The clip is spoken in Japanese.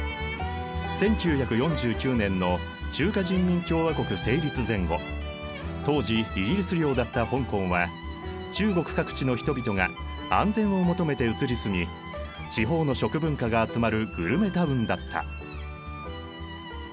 １９４９年の中華人民共和国成立前後当時イギリス領だった香港は中国各地の人々が安全を求めて移り住み地方の食文化が集まるグルメタウンだった。